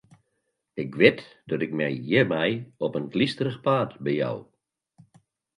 Ik wit dat ik my hjirmei op in glysterich paad bejou.